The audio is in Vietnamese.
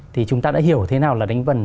thì chúng ta đã hiểu thế nào là đánh vần